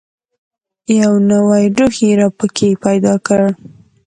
یو نوی روح یې را پکښې پیدا کړ.